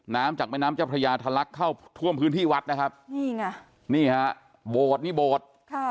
จากแม่น้ำเจ้าพระยาทะลักเข้าท่วมพื้นที่วัดนะครับนี่ไงนี่ฮะโบสถ์นี่โบสถ์ค่ะ